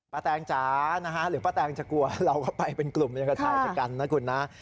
ป้าแตงจ๊ะหรือป้าแตงจะกลัวเราก็ไปเป็นกลุ่มยังไงกันนะคุณนะ